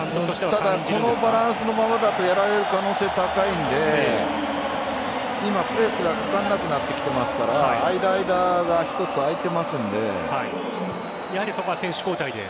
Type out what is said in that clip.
ただ、このバランスのままだとやられる可能性高いので今、プレスがかからなくなってきていますからやはりそこは選手交代で？